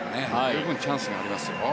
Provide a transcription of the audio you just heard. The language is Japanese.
十分チャンスがありますよ。